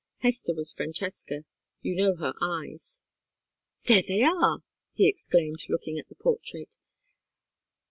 Hester was Francesca you know her eyes. There they are!" he exclaimed, looking at the portrait.